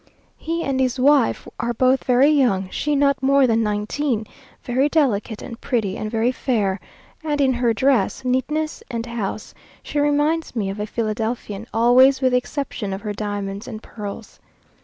He and his wife are both very young she not more than nineteen, very delicate and pretty, and very fair; and in her dress, neatness, and house, she reminds me of a Philadelphian, always with the exception of her diamonds and pearls.